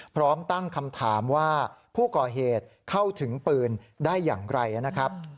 พร้อมตั้งคำถามว่าผู้ก่อเหตุเข้าถึงปืนได้อย่างไรนะครับ